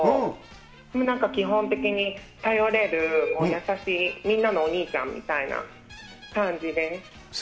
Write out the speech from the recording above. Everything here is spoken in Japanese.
でもなんか、基本的に頼れる、優しい、みんなのお兄ちゃんみたいな感じです。